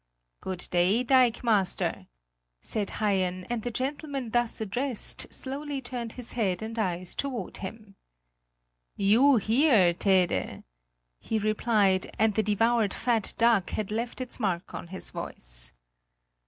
"Good day, dikemaster!" said Haien, and the gentleman thus addressed slowly turned his head and eyes toward him. "You here, Tede?" he replied, and the devoured fat duck had left its mark on his voice.